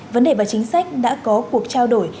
vấn đề và chính sách đã có cuộc trao đổi